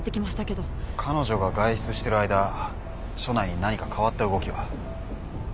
彼女が外出してる間所内に何か変わった動きは？